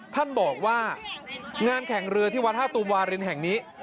ท่านบอกว่างานแข่งเรือที่วัดท่าตูมวารินแห่งนี้